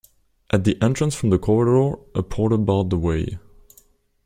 At the entrance from the corridor a porter barred the way.